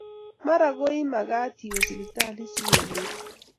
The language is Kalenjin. Mara koemakat iwe siptalit sikekerin.